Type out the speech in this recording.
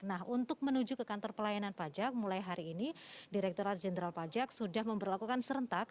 nah untuk menuju ke kantor pelayanan pajak mulai hari ini direkturat jenderal pajak sudah memperlakukan serentak